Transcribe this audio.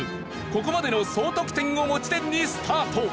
ここまでの総得点を持ち点にスタート。